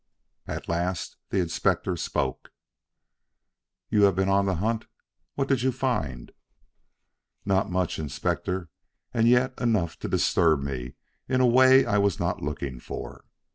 At last the Inspector spoke: "You have been on the hunt; what did you find?" "Not much, Inspector and yet enough to disturb me in a way I was not looking for.